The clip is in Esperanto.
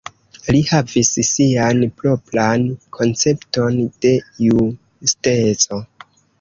Li havis sian propran koncepton de justeco.